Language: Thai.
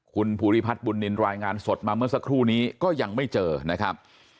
คุณภูริพัฒน์บุญนินรายงานสดมาเมื่อสักครู่นี้ก็ยังไม่เจอนะครับ